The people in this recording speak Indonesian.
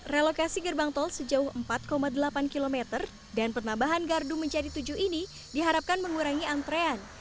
relokasi gerbang tol sejauh empat delapan km dan penambahan gardu menjadi tujuh ini diharapkan mengurangi antrean